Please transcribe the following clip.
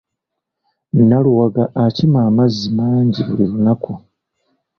Naluwaga akima amazzi mangi buli lunaaku.